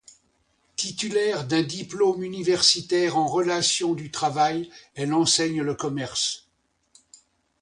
Titulaire d'un diplôme universitaire en relations du travail, elle enseigne le commerce.